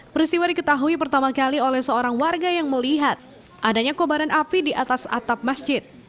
peristiwa diketahui pertama kali oleh seorang warga yang melihat adanya kobaran api di atas atap masjid